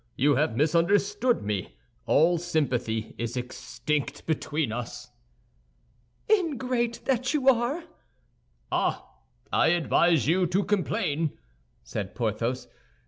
You have misunderstood me, all sympathy is extinct between us." "Ingrate that you are!" "Ah! I advise you to complain!" said Porthos.